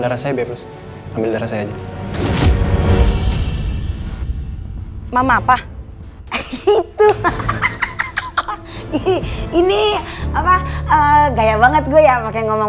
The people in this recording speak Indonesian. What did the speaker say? darah saya bebas ambil darah saya aja mama apa gitu ini apa gaya banget gue ya pakai ngomong